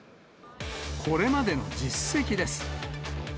これまでの実績です。